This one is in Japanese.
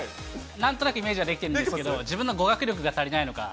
なんとなくイメージができてるんですけど、自分の語学力が足りないのか。